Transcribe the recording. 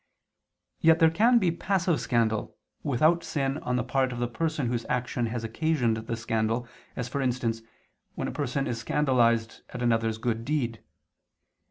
Yet there can be passive scandal, without sin on the part of the person whose action has occasioned the scandal, as for instance, when a person is scandalized at another's good deed.